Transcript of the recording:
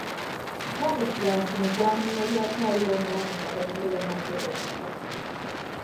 Stanislas Mugwanya eyali akyaliwo omulamu nga banne bamaze okufa.